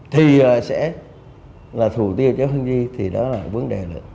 thì sẽ là thủ tiêu cho hướng di thì đó là vấn đề lợi